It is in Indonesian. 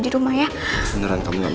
aduh sama keluarga melewat